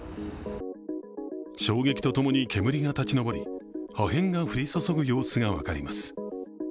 衝撃とともに煙が立ち上り破片が降り注ぐ様子が分かります。